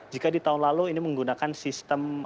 jika di tahun lalu ini menggunakan sistem